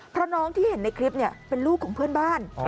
เพราะน้องที่เห็นในคลิปเป็นลูกของเพื่อนบ้าน